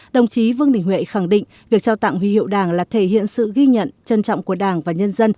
đồng chí vương đình huệ khẳng định việc trao tặng huy hiệu đảng là thể hiện sự ghi nhận trân trọng của đảng và nhân dân